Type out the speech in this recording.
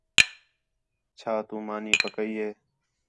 چَھا تُو مانی پَکَئی ہے